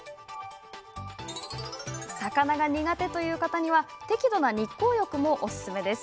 魚が苦手、という方には適度な日光浴もおすすめです。